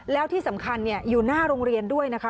แล้วที่สำคัญอยู่หน้าโรงเรียนด้วยนะคะ